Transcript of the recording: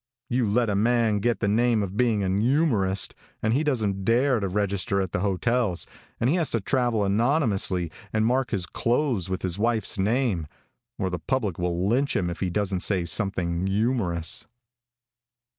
You let a man get the name of being an youmorist and he doesn't dare to register at the hotels, and he has to travel anonymously, and mark his clothes with his wife's name, or the public will lynch him if he doesn't say something youmorous.